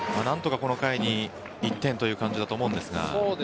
何とかこの回に１点という感じだと思うんですが。